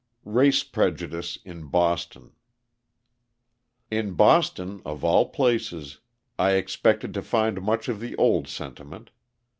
Race Prejudice in Boston In Boston, of all places, I expected to find much of the old sentiment.